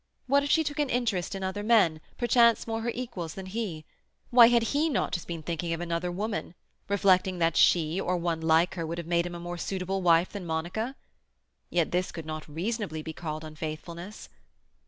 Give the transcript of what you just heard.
What if she took an interest in other men, perchance more her equals than he? Why, had he not just been thinking of another woman, reflecting that she, or one like her, would have made him a more suitable wife than Monica? Yet this could not reasonably be called unfaithfulness.